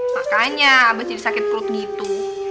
makanya abah jadi sakit perut gitu